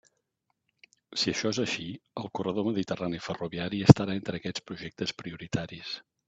Si això és així, el corredor mediterrani ferroviari estarà entre aquests projectes prioritaris.